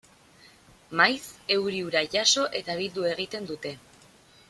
Maiz euri ura jaso eta bildu egiten dute.